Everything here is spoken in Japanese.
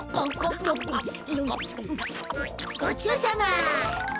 ごちそうさま！